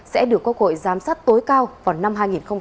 sẽ được quốc hội giám sát tối cao vào năm hai nghìn hai mươi